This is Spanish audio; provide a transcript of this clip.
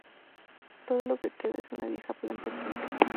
Todo lo que queda es una vieja planta química.